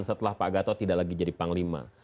setelah pak gatot tidak lagi jadi panglima